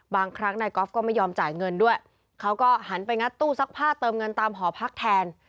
บางครั้งนายกอล์ฟก็ไม่ยอมจ่ายเงินด้วยเขาก็หันไปงัดตู้ซักผ้าเติมเงินตามหอพักแทน